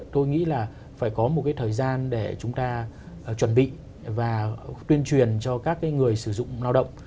tôi nghĩ là phải có một cái thời gian để chúng ta chuẩn bị và tuyên truyền cho các người sử dụng lao động